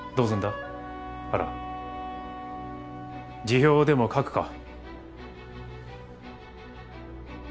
辞表でも書くか？